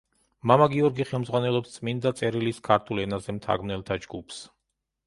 მამა გიორგი ხელმძღვანელობს წმიდა წერილის ქართულ ენაზე მთარგმნელთა ჯგუფს.